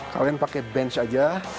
kalian pake bench aja